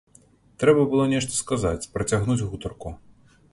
Трэба было нешта сказаць, працягнуць гутарку.